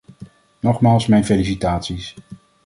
Nogmaals mijn felicitaties.